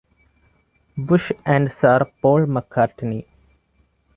Bush and Sir Paul McCartney.